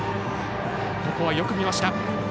ここはよく見ました。